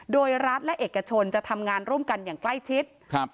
โดยรัฐและเอกชนจะทำงานร่วมกันใกล้ชิด